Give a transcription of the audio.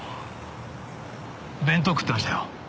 弁当食ってましたよ